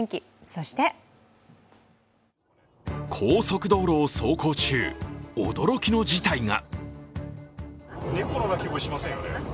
そして高速道路を走行中驚きの事態が。